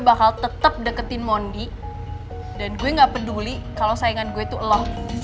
bakal tetap deketin mondi dan gue gak peduli kalau saingan gue tuh lo